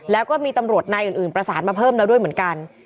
แล้วก็มีตำรวจนายอื่นประสานมาเพิ่มแล้วด้วยเหมือนกัน